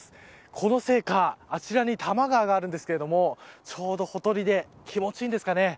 このせいか、あちらに多摩川があるんですけれどもちょうどほとりで気持ちいいんですかね。